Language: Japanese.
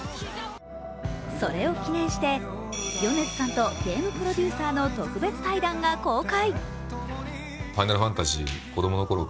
それを記念して、米津さんとゲームプロデューサーの特別対談が公開。